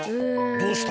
どうした？